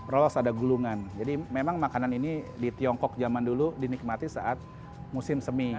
rolls ada gulungan jadi memang makanan ini di tiongkok zaman dulu dinikmati saat musim semi